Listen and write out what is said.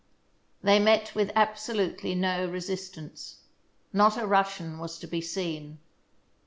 They met with absolutely no resistance. Not a Russian was to be seen.